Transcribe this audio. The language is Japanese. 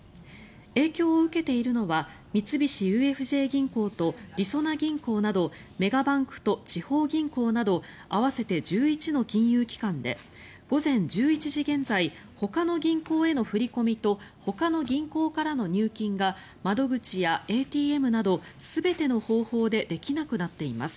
影響を受けているのは三菱ＵＦＪ銀行とりそな銀行などメガバンクと地方銀行など合わせて１１の金融機関で午前１１時現在ほかの銀行への振り込みとほかの銀行からの入金が窓口やＡＴＭなど全ての方法でできなくなっています。